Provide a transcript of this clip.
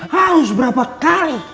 harus berapa kali